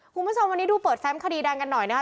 คุณผู้ชมวันนี้ดูเปิดแฟมคดีดังกันหน่อยนะคะ